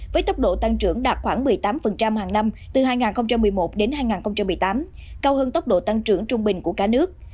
với tốc độ tăng trưởng đạt khoảng một mươi tám hàng năm từ hai nghìn một mươi một đến hai nghìn một mươi tám cao hơn tốc độ tăng trưởng trung bình của cả nước